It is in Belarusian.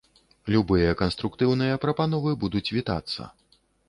Любыя канструктыўныя прапановы будуць вітацца.